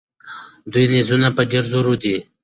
د ویر نیزونه په ډېر زور دي.